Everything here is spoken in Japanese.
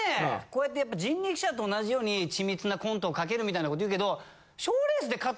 こうやってやっぱ人力舎と同じように緻密なコントを書けるみたいなこと言うけど。